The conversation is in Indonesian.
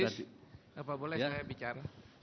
majlis bapak boleh saya bicara